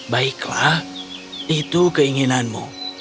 baiklah itu keinginanmu